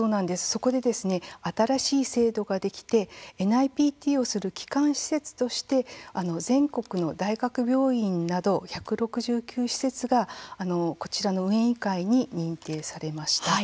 そこで、新しい制度ができてＮＩＰＴをする基幹施設として全国の大学病院など１６９施設がこちらの運営委員会に認定されました。